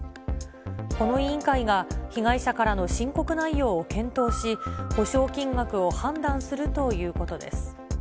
この委員会が被害者からの申告内容を検討し、補償金額を判断するということです。